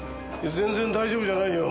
全然大丈夫じゃないよ。